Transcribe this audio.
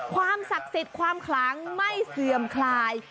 ความศักดิ์สิทธิ์ความคลังไม่เสื่อมคลาย